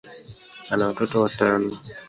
ana watoto watano.